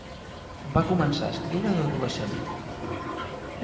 Va començar a escriure d'adolescent.